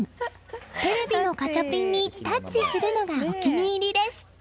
テレビのガチャピンにタッチするのがお気に入りです。